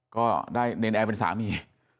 ก็ได้เนรนแอร์เป็นสามี